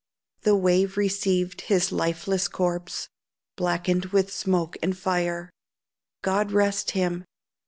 The wave received his lifeless corpse, Blackened with smoke and fire. God rest him!